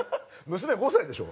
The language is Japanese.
娘５歳でしょ？